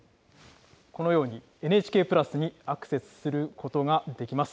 このようにＮＨＫプラスにアクセスすることができます。